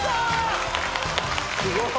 すごい！